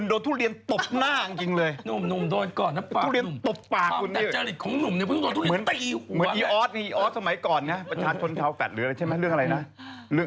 โเร็ดก็แฮปปี้แอนดิ้ง